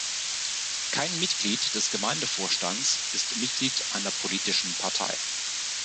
Kein Mitglied des Gemeindevorstands ist Mitglied einer politischen Partei.